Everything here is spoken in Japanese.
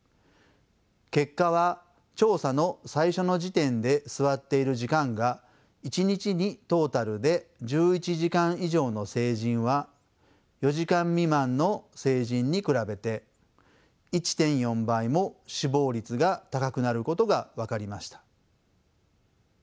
結果は調査の最初の時点で座っている時間が１日にトータルで１１時間以上の成人は４時間未満の成人に比べて１．４倍も死亡率が高くなることが分かりました。